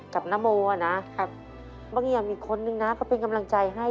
กับน้ำโมน่ะครับปังเงียมอีกคนนึงนะไปกำลังใจให้